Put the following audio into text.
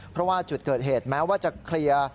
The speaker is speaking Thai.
เพราะว่าจุดเกิดเหตุแม้ว่าจะเคลียร์